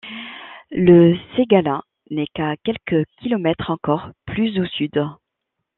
Le Ségala n'est qu'à quelques kilomètres encore plus au sud.